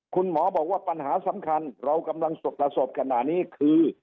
คุณหมอบอกว่าปัญหาสำคัญเรากำลังประสบขณะนี้คือ